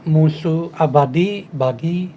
musuh abadi bagi